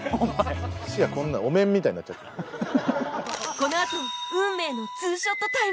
このあと運命の２ショットタイム